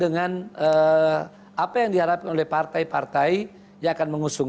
dengan apa yang diharapkan oleh partai partai yang akan mengusung